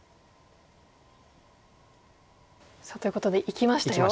さあということでいきましたよ。